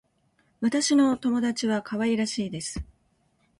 私の友達は可愛らしいです。